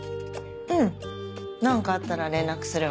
うん何かあったら連絡するわ。